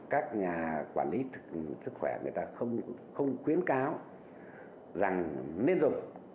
các nhà quản lý sức khỏe người ta không khuyến cáo rằng nên dùng